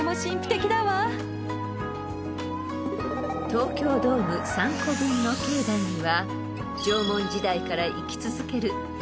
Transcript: ［東京ドーム３個分の境内には縄文時代から生き続ける］